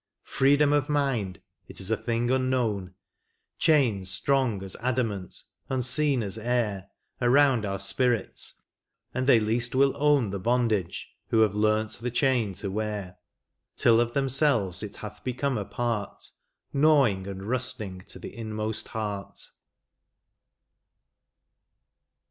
Freedom of mind ! it is a thing unknown ; Chains strong as adamant, unseen as air. Are round our spirits, and they least will own The bondage, who have learnt the chain to wear, Till of themselves it hath become a part, Gnawing and rusting to the inmost heart.